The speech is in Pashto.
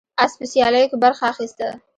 اس په سیالیو کې برخه اخیسته.